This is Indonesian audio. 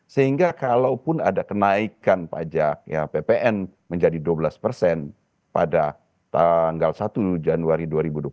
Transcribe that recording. sehingga kalaupun ada kenaikan pajak ya ppn menjadi dua belas persen pada tanggal satu januari dua ribu dua puluh